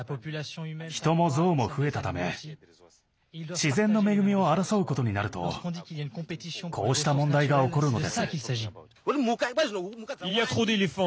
人もゾウも増えたため自然の恵みを争うことになるとこうした問題が起こるのです。